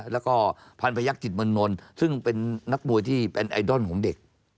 แล้วก็พันพยักษิตเมืองนลซึ่งเป็นนักมวยที่เป็นไอดอลของเด็ก